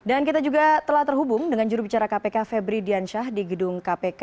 dan kita juga telah terhubung dengan jurubicara kpk febri diansyah di gedung kpk